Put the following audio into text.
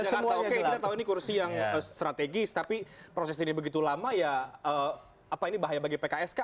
jangan tahu oke kita tahu ini kursi yang strategis tapi proses ini begitu lama ya apa ini bahaya bagi pks kah